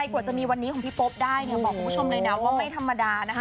กว่าจะมีวันนี้ของพี่โป๊ปได้เนี่ยบอกคุณผู้ชมเลยนะว่าไม่ธรรมดานะคะ